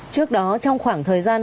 trước đó trong khoảng thời gian